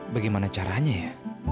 bagaimana caranya ya